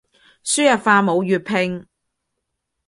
輸入法冇粵拼